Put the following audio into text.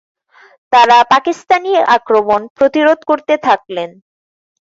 তারা পাকিস্তানি আক্রমণ প্রতিরোধ করতে থাকলেন।